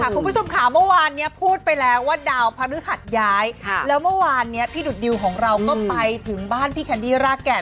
คุณผู้ชมค่ะเมื่อวานนี้พูดไปแล้วว่าดาวพระฤหัสย้ายแล้วเมื่อวานนี้พี่ดุดดิวของเราก็ไปถึงบ้านพี่แคนดี้รากแก่น